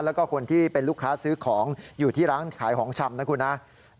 แล้วก็คนที่เป็นลูกค้าซื้อของอยู่ที่ร้านขายของชำนะครับ